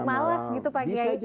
males gitu pakai